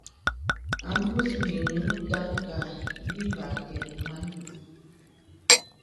A mbus mìnyè taŋ kàà bə̄ î vè akɛ̀l man.